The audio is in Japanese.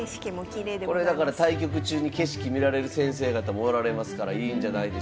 これだから対局中に景色見られる先生方もおられますからいいんじゃないでしょうか。